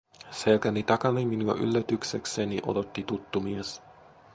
Selkäni takana minua yllätyksekseni odotti tuttu mies.